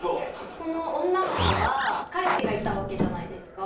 その女の子は彼氏がいたわけじゃないですか。